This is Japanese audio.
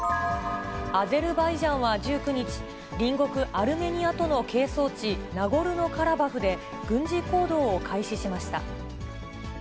アゼルバイジャンは１９日、隣国アルメニアとの係争地、ナゴルノカラバフで、軍事行動を開始しました。